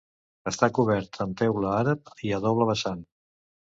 Està cobert amb teula àrab i a doble vessant.